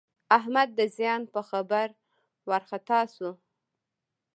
احمد د زیان په خبر وارخطا شو.